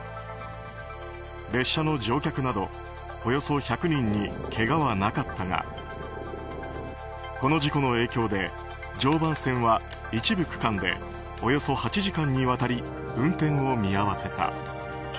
列車の乗客などおよそ１００人にけがはなかったがこの事故の影響で常磐線は一部区間でおよそ８時間にわたり運転を見合わせた。